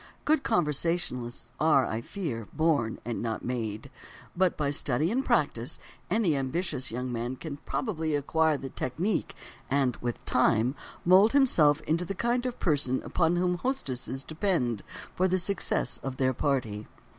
Good conversationalists are, I fear, born and not made—but by study and practise any ambitious young man can probably acquire the technique, and, with time, mould himself into the kind of person upon whom hostesses depend for the success of their party.